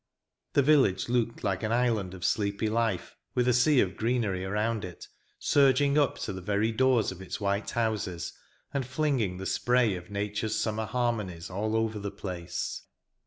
The village looked like an island of sleepy life, with a sea of greenery around it, surging up to the very doors of its white houses, and flinging the spray of nature's summer harmonies all over the place.